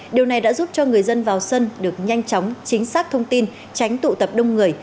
điều này đã giúp cho người dân vào sân được nhanh chóng chính xác thông tin tránh tụ tập đông người